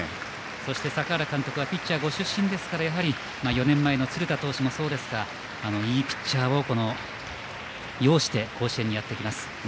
そして坂原監督はピッチャーご出身ですからやはり４年前の鶴田投手もそうですがいいピッチャーを擁して甲子園にやってきます。